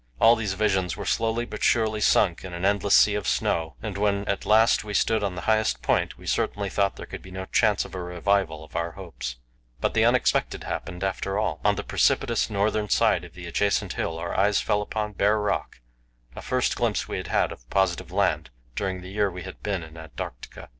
All these visions were slowly but surely sunk in an endless sea of snow, and when at last we stood on the highest point, we certainly thought there could be no chance of a revival of our hopes. But the unexpected happened after all. On the precipitous northern side of the adjacent hill our eyes fell upon bare rock the first glimpse we had had of positive land during the year we had been in Antarctica.